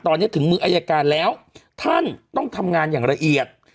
ตอนนี้ถึงมืออายการแล้วท่านต้องทำงานอย่างละเอียด